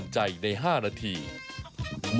ครับครับ